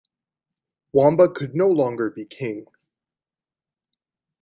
Wamba could no longer be king.